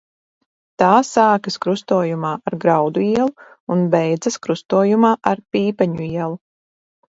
Tā sākas krustojumā ar Graudu ielu un beidzas krustojumā ar Pīpeņu ielu.